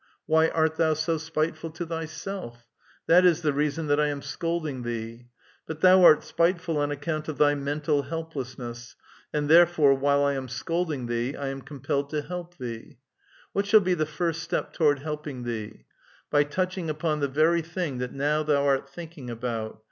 Why art thou so spite ful to thyself ? That is the reason that 1 am scolding thee^ ]But thou art spiteful on account of thy mental helplessness \ and therefore, while I am scolding thee, I am compelled to lielp thee. What shall be the first step toward helping thee ? By touching upon the very thing that now thou art thinking . about.